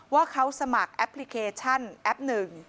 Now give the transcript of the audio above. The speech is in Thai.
ว่าเขาสมัครแอปพลิเคชันแอปหนึ่ง